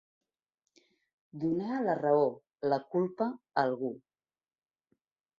Donar la raó, la culpa, a algú.